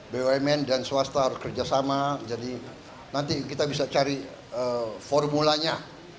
bumn dan swasta harus kerjasama jadi nanti kita bisa cari formulanya